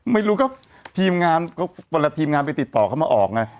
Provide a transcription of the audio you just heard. ไม่รู้ก็ทีมงานก็เวลาทีมงานไปติดต่อเขามาออกไง